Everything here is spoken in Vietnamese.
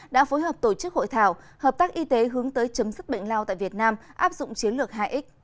đã phối hợp tổ chức hội thảo hợp tác y tế hướng tới chấm dứt bệnh lao tại việt nam áp dụng chiến lược hai x